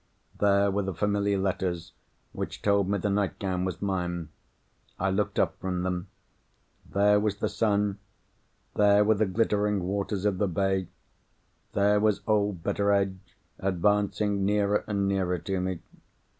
There were the familiar letters which told me that the nightgown was mine. I looked up from them. There was the sun; there were the glittering waters of the bay; there was old Betteredge, advancing nearer and nearer to me.